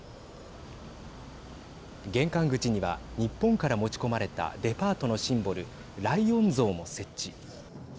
玄関口には日本から持ち込まれたデパートのシンボルライオン像も設置。